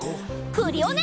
クリオネ！